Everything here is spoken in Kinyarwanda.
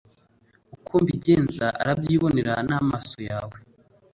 Uko mbigenza urabyibonera namaso yawe